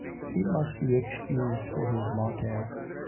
He must be excused for his 'mater.'